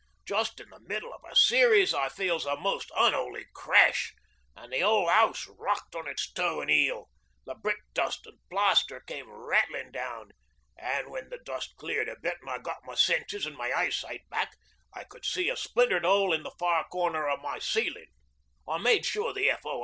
Just in the middle o' a series I feels a most unholy crash, an' the whole house rocked on its toe an' heel. The brickdust an' plaster came rattlin' down, an' when the dust cleared a bit an' I got my sense an' my eyesight back, I could see a splintered hole in the far corner of my ceilin'. I made sure the F.O.